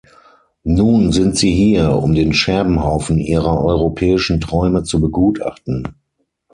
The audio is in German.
Nun sind Sie hier, um den Scherbenhaufen ihrer europäischen Träume zu begutachten.